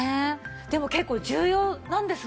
でも結構重要なんですもんね。